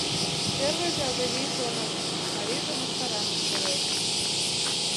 Первойжо Агавий шоныш: марийже мыскарам ыштылеш.